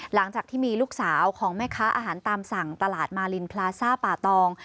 หลังจากที่มีลูกสาวของแม่ค้าอาหารตามสั่งตลาดมารินพลาซ่าป่าตอง